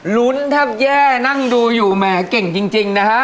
ลุ้นแทบแย่นั่งดูอยู่แหมเก่งจริงนะฮะ